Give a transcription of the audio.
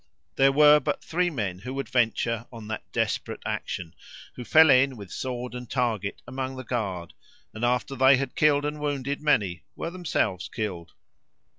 There were but three men that would venture on that desperate action, who fell in, with sword and target, among the guard, and, after they had killed and wounded many, were themselves killed.